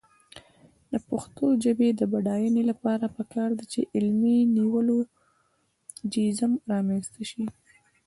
د پښتو ژبې د بډاینې لپاره پکار ده چې علمي نیولوجېزم رامنځته شي.